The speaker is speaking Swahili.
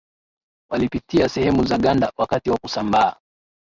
walipitia sehemu za ganda wakati wa kusambaa